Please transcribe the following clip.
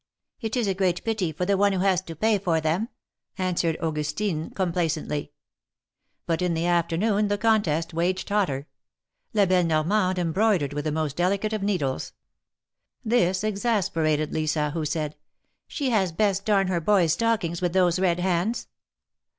It is a great pity for the one who has to pay for them,'^ answered Augustine, complacently. THE MARKETS OF PARIS. 165 But in the afternoon the contest waged hotter. La belle Nonnande embroidered with the most delicate of needles. This exasperated Lisa, who said : She had best darn her boy's stockings with those red hands